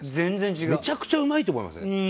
めちゃくちゃうまいと思いません？